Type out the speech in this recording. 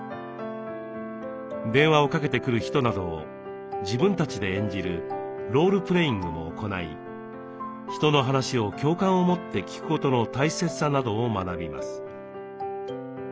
電話をかけてくる人などを自分たちで演じる「ロールプレイング」も行い人の話を共感を持って聴くことの大切さなどを学びます。